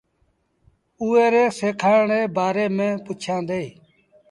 اُئي ري سِکآڻ ري بآري ميݩ پُڇيآندي۔